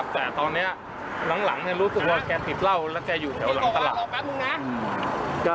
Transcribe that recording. แต่ตอนนี้หลังรู้สึกว่าแกติดเหล้าแล้วแกอยู่แถวหลังตลาด